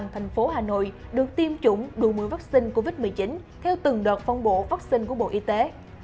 thành phố hà nội được tiêm chủng đủ một mươi vaccine covid một mươi chín theo từng đợt phong bộ vaccine của bộ y tế